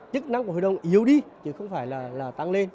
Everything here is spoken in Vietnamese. chức năng của hội đồng yếu đi chứ không phải là tăng lên